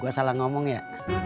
gue salah ngomong ya